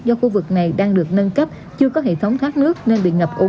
do khu vực này đang được nâng cấp chưa có hệ thống thoát nước nên bị ngập úng